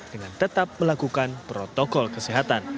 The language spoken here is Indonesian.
dengan tetap melakukan protokol kesehatan